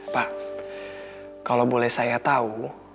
pak kalo boleh saya tau